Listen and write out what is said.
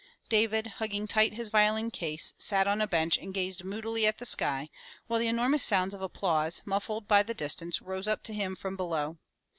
David, hugging tight his violin case, sat on a bench and gazed moodily at the sky, while the enormous sounds of applause, muffled by the distance, rose up to him from below.